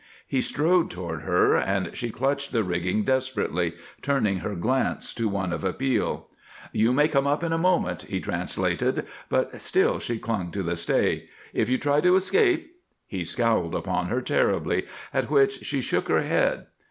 He strode toward her, and she clutched the rigging desperately, turning her glance to one of appeal. "You may come up in a moment," he translated, but still she clung to the stay. "If you try to escape " He scowled upon her terribly, at which she shook her head.